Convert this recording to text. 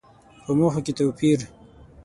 په موخو کې توپير.